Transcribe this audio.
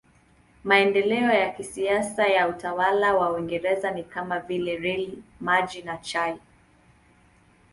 Maendeleo ya kisasa ya utawala wa Uingereza ni kama vile reli, maji na chai.